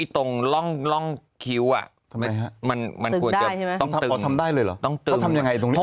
อ๋อทำได้เลยเหรอ